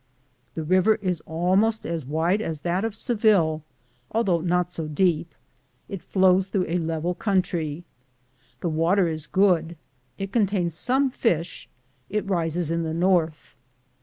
The river is almost as wide as that of Seville, although not so deep; it flows through a level country ; the water is good ; it contains some fish; it rises in the north.